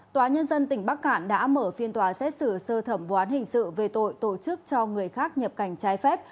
tòa nhân dân tỉnh bắc cạn đã mở phiên tòa xét xử sơ thẩm vụ án hình sự về tội tổ chức cho người khác nhập cảnh trái phép